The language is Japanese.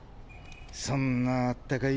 そんなあったかい